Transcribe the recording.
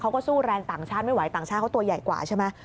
เขาก็สู้แรงต่างชาติไม่ไหวต่างชาติเขาตัวใหญ่กว่าใช่ไหม